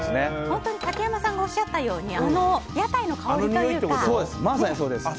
本当に竹山さんがおっしゃったように屋台の香りというか。